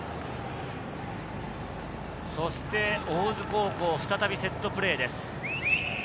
そして大津高校、再びセットプレーです。